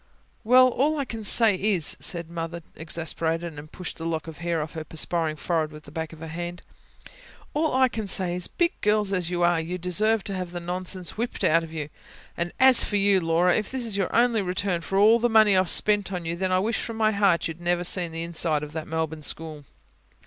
"Well, all I can say is," said Mother exasperated, and pushed a lock of hair off her perspiring forehead with the back of her hand. "All I say is, big girls as you are, you deserve to have the nonsense whipped out of you. As for you, Laura, if this is your only return for all the money I've spent on you, then I wish from my heart you'd never seen the inside of that Melbourne school."